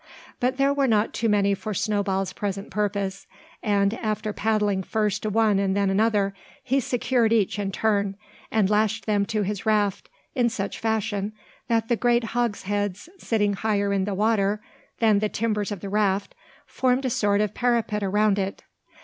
But there were not too many for Snowball's present purpose; and, after paddling first to one and then another, he secured each in turn, and lashed them to his raft, in such fashion, that the great hogsheads, sitting higher in the water than the timbers of the raft, formed a sort of parapet around it.